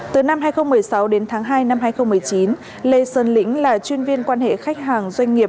từ năm hai nghìn một mươi sáu đến tháng hai năm hai nghìn một mươi chín lê sơn lĩnh là chuyên viên quan hệ khách hàng doanh nghiệp